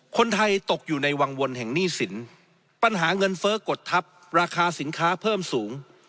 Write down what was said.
คนไทยตกอยู่ในวังวลแห่งหนี้สินปัญหาเงินเฟ้อกดทัพราคาสินค้าเพิ่มสูง